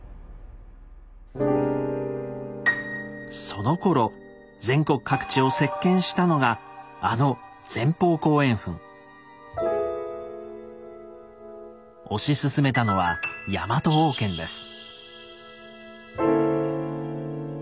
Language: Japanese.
そのころ全国各地を席巻したのがあの推し進めたのは「ヤマト王権」です。